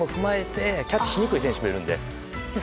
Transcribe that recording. キャッチしにくい選手もいるので。